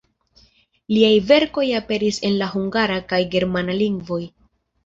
Liaj verkoj aperis en la hungara, kaj germana lingvoj.